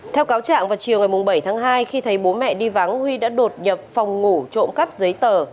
theo cáo trạng vào chiều ngày bảy tháng hai khi thấy bố mẹ đi vắng huy đã đột nhập phòng ngủ trộm cắp giấy tờ